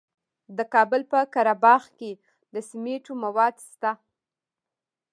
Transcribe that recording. د کابل په قره باغ کې د سمنټو مواد شته.